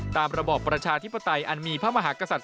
ระบอบประชาธิปไตยอันมีพระมหากษัตริย